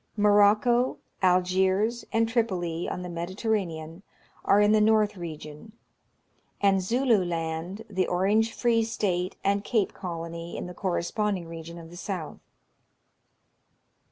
Morocco, Algiers, and Tripoli, on the Mediterra nean, are in the north region ; and Zulu Land, the Orange Free State, and Cape Colony, in the corresponding region of the south.